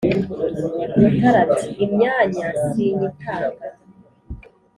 Mutara ati: "Imyanya sinyitanga,